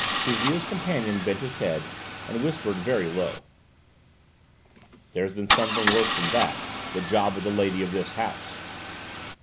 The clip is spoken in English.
Bouzille's companion bent his head and whispered very low: "There has been something worse than that: the job with the lady of this house."